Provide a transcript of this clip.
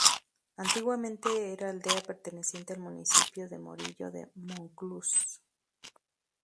Antiguamente era aldea perteneciente al municipio de Morillo de Monclús.